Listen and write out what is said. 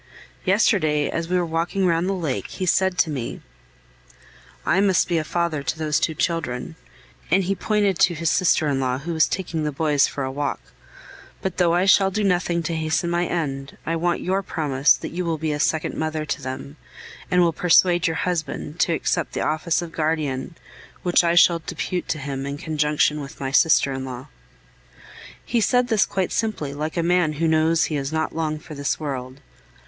Yesterday, as we were walking round the lake, he said to me: "I must be a father to those two children," and he pointed to his sister in law, who was taking the boys for a walk. "But though I shall do nothing to hasten my end, I want your promise that you will be a second mother to them, and will persuade your husband to accept the office of guardian, which I shall depute to him in conjunction with my sister in law." He said this quite simply, like a man who knows he is not long for this world.